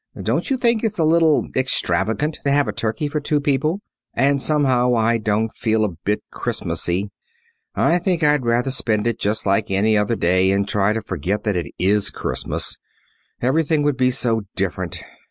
Don't you think it's a little extravagant to have a turkey for two people? And somehow I don't feel a bit Christmassy. I think I'd rather spend it just like any other day and try to forget that it is Christmas. Everything would be so different."